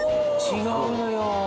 違うのよ。